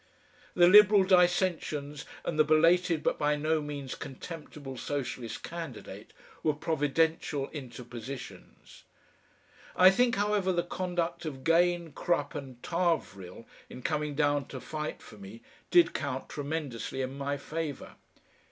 The Liberal dissensions and the belated but by no means contemptible Socialist candidate were providential interpositions. I think, however, the conduct of Gane, Crupp, and Tarvrille in coming down to fight for me, did count tremendously in my favour.